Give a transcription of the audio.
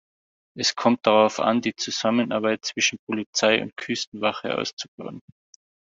Es kommt darauf an, die Zusammenarbeit zwischen Polizei und Küstenwache auszubauen.